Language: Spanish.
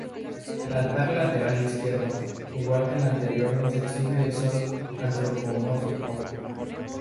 El altar lateral izquierdo: igual que el anterior nos exhibe el sol antropomórfico.